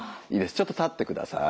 ちょっと立ってください。